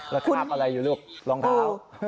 แล้วคาบอะไรอยู่ลูกรองเท้า